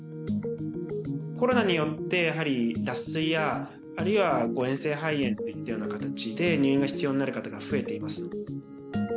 コロナによって、やはり脱水や、あるいは誤えん性肺炎といったような形で、入院が必要になる方が増えています。